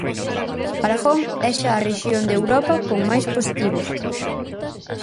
Aragón é xa a rexión de Europa con máis positivos.